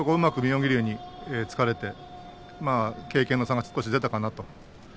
妙義龍に突かれて経験の差が少し出たかなと。